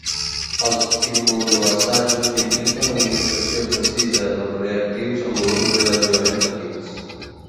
Els immunoassajos impliquen l'administració precisa dels reactius en volums relativament petits.